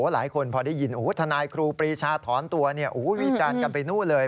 หลายคนพอได้ยินทนายครูปรีชาถอนตัววิจารณ์กันไปนู่นเลย